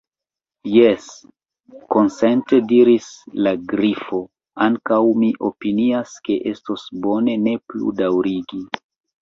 "Jes," konsente diris la Grifo, "ankaŭ mi opinias ke estos bone ne plu daŭrigi."